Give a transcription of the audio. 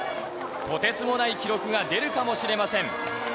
とてつもない記録が出るかもしれません。